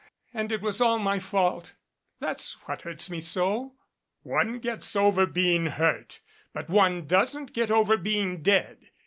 And it was all my fault. That's what hurts me so." "One gets over being hurt, but one doesn't get over being dead.